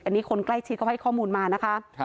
อันนี้คนใกล้ชิดเขาให้ข้อมูลมานะคะ